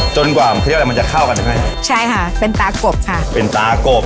จนกว่าเครื่องเทศมันจะเข้ากันได้ไหมใช่ค่ะเป็นตาโกบค่ะเป็นตาโกบ